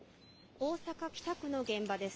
大阪・北区の現場です。